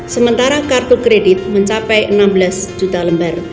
sementara kartu kredit mencapai enam belas juta lembar